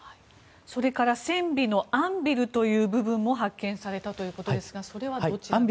それから船尾のアンビルという部分も発見されたということですがそれはどちらでしょうか。